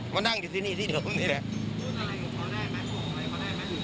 มานั่งอยู่ที่นี่ที่เดิมนี่แหละ